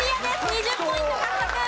２０ポイント獲得。